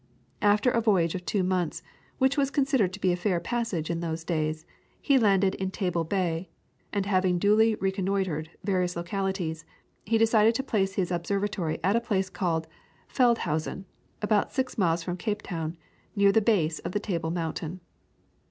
After a voyage of two months, which was considered to be a fair passage in those days, he landed in Table Bay, and having duly reconnoitred various localities, he decided to place his observatory at a place called Feldhausen, about six miles from Cape Town, near the base of the Table Mountain.